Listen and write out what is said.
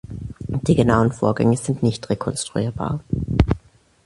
Die genauen Vorgänge sind nicht rekonstruierbar.